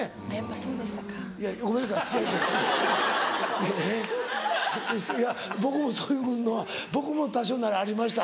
いや僕もそういうのは僕も多少なりありました。